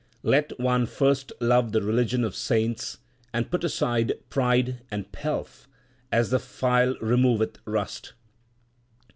Let one first love the religion of saints, 2 and put aside pride and pelf 3 as the file removeth rust.